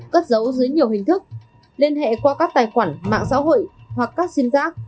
cất dấu dưới nhiều hình thức liên hệ qua các tài khoản mạng xã hội hoặc các sim giác